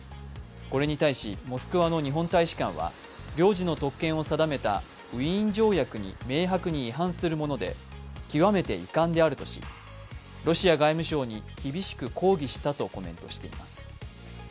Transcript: これに対し、モスクワの日本大使館は領事の特権を定めたウィーン条約に明白に違反するもので極めて遺憾であるとし、ロシア外務省に厳しく抗議したとコメントしています。